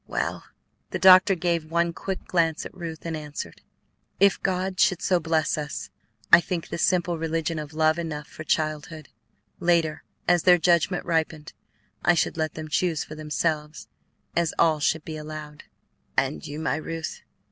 "Well?" The doctor gave one quick glance at Ruth and answered, "If God should so bless us, I think the simple religion of love enough for childhood. Later, as their judgment ripened, I should let them choose for themselves, as all should be allowed." "And you, my Ruth?"